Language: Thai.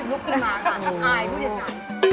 กลุ้มขึ้นมาค่ะ